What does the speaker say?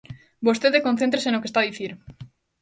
Vostede concéntrese no que está a dicir.